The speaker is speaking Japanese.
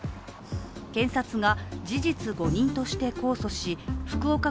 検察が事実誤認として控訴し福岡